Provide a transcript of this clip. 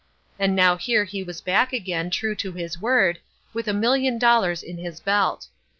And now here he was back again, true to his word, with a million dollars in his belt.